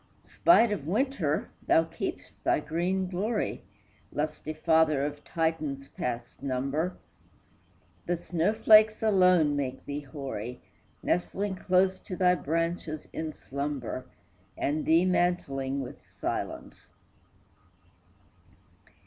Spite of winter, thou keep'st thy green glory, Lusty father of Titans past number! The snow flakes alone make thee hoary, Nestling close to thy branches in slumber, And thee mantling with silence.